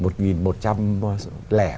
bao nhiêu hội viên đó